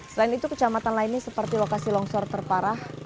selain itu kecamatan lainnya seperti lokasi longsor terparah